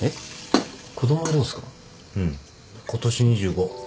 うん今年２５。